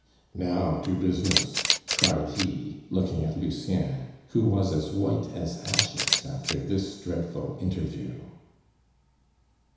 "Now to business!" cried he, looking at Lucien, who was as white as ashes after this dreadful interview.